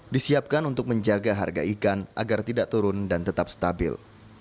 disiapkan untuk menjaga harga ikan agar tidak turun dan tetap stabil